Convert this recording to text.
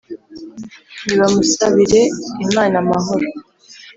nibamusabire imana amahoro